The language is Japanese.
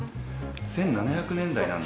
１７００年代なので。